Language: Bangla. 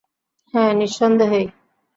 হ্যাঁ, নিঃসন্দেহেই।